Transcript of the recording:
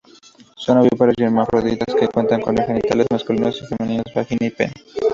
Son ovíparos y hermafroditas, que cuentan con genitales masculinos y femeninos: vagina y pene.